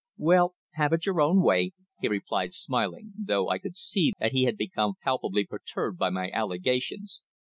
"Well, have it your own way," he replied smiling, though I could see that he had become palpably perturbed by my allegations.